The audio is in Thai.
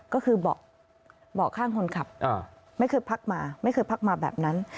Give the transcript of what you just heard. ก็คือเบาะข้างคนขับไม่เคยพักมาไม่เคยพักมาแบบนั้น